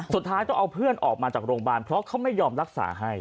สุดท้ายต้องเอาเพื่อนออกมาจากโรงพยาบาลเพราะเขาไม่ยอมรักษาให้